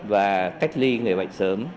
và cách ly người bệnh sớm